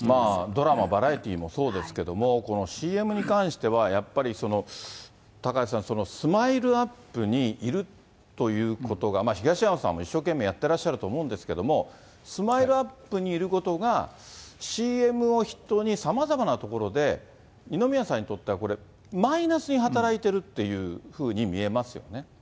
ドラマ、バラエティーもそうですけども、このＣＭに関しては、やっぱり高橋さん、ＳＭＩＬＥーＵＰ．にいるということが、東山さんも一生懸命やっていらっしゃると思うんですけれども、ＳＭＩＬＥーＵＰ．にいることが、ＣＭを筆頭に、さまざまなところで二宮さんにとっては、これ、マイナスに働いてるっていうふうに見えますよね。